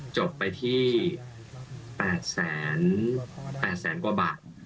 จบไปที่๘๘แสนกว่าบาท